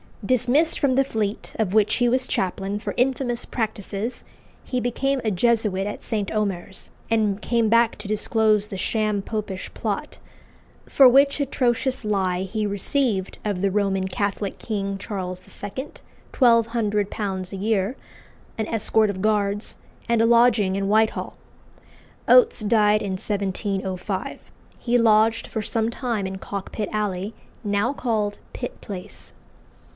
Dismissed from the Fleet, of which he was chaplain, for infamous practices, he became a Jesuit at St. Omer's, and came back to disclose the sham Popish plot, for which atrocious lie he received of the Roman Catholic king, Charles II., £1200 a year, an escort of guards, and a lodging in Whitehall. Oates died in 1705. He lodged for some time in Cockpit Alley, now called Pitt Place.